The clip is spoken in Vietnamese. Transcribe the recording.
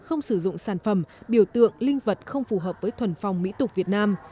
không sử dụng sản phẩm biểu tượng linh vật không phù hợp với thuần phong mỹ tục việt nam